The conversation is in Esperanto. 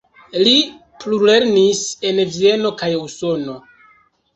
Li plulernis en Vieno kaj Usono.